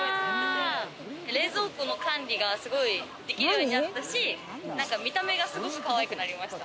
冷蔵庫の管理ができるようになったし、見た目がすごくかわいくなりました。